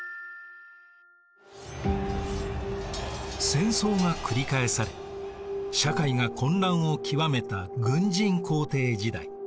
戦争が繰り返され社会が混乱を極めた軍人皇帝時代。